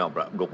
waktu di golkar